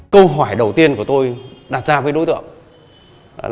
câu hỏi đầu tiên của tôi đặt ra với đối tượng